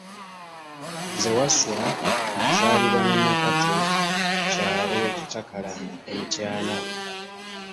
Nze Wasswa nazaalibwa ne Nakato mu ku kyalo Kitakala e Mityana.